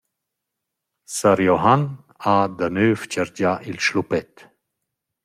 Sar Johann ha danöv chargià il schluppet.